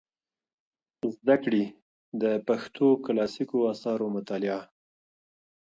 زده کړي، د پښتو کلاسیکو آثارو مطالعه